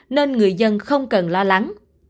nên người dân không cần lo lắng